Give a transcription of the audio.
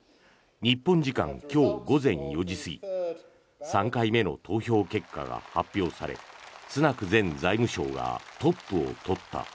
日本時間今日午前４時過ぎ３回目の投票結果が発表されスナク前財務相がトップを取った。